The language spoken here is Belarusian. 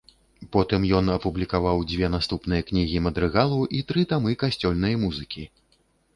Потым ён апублікаваў дзве наступныя кнігі мадрыгалу і тры тамы касцёльнай музыкі.